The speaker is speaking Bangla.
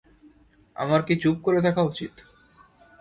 আমার কি চুপ করে থাকা উচিত?